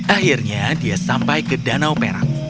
akhirnya dia sampai ke danau perak